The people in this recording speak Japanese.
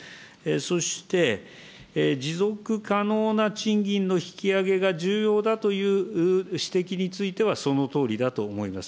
そして、持続可能な賃金の引き上げが重要だという指摘については、そのとおりだと思います。